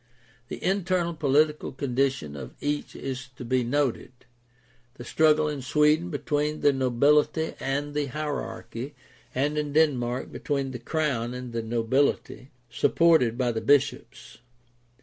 The internal political condition of each is to be noted — the struggle in Sweden between the nobility and the hierarchy and in Denmark between the crown and the nobility, supported by the bishops.